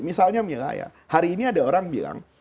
misalnya mila ya hari ini ada orang bilang